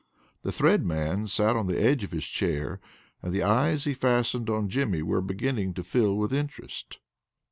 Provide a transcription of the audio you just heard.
The Thread Man sat on the edge of his chair, and the eyes he fastened on Jimmy were beginning to fill with interest.